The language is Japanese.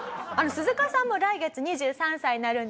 鈴鹿さんも来月２３歳になるんですよね？